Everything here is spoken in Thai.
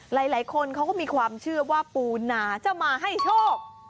หลายคนเขาก็มีความเชื่อว่าปูหนาจะมาให้โชค